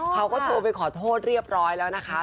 เขาก็โทรไปขอโทษเรียบร้อยแล้วนะคะ